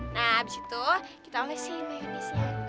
nah habis itu kita olesin mayonisnya